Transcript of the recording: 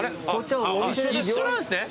一緒なんですね？